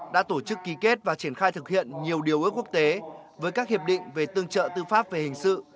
đã tổ chức ký kết và triển khai thực hiện nhiều điều ước quốc tế với các hiệp định về tương trợ tư pháp về hình sự